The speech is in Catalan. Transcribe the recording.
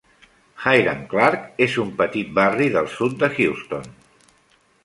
Hiram Clarke és un petit barri del sud de Houston.